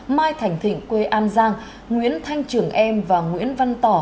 mai thành thịnh quê an giang nguyễn thanh trưởng em và nguyễn văn tỏ